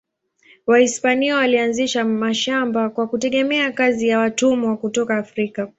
Wahispania walianzisha mashamba kwa kutegemea kazi ya watumwa kutoka Afrika.